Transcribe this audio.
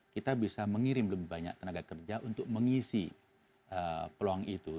kita bisa mengirim lebih banyak tenaga kerja untuk mengisi peluang itu